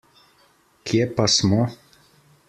Kje pa smo?